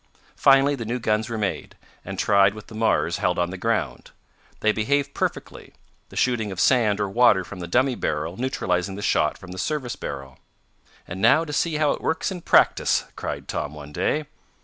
Finally the new guns were made, and tried with the Mars held on the ground. They behaved perfectly, the shooting of sand or water from the dummy barrel neutralizing the shot from the service barrel. "And now to see how it works in practice!" cried Tom one day.